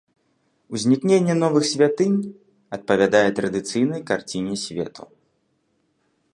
Узнікненне новых святынь адпавядае традыцыйнай карціне свету.